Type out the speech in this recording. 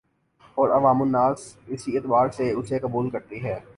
اور عوام الناس اسی اعتبار سے اسے قبول کرتے ہیں